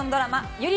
「ゆり